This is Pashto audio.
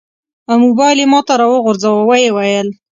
او موبایل یې ماته راوغورځاوه. و یې ویل: